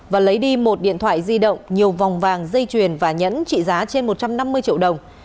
và lấy đi một điện thoại di động nhiều vòng vàng dây chuyền và nhẫn trị giá trên một trăm năm mươi triệu đồng